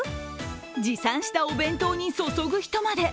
持参したお弁当に注ぐ人まで。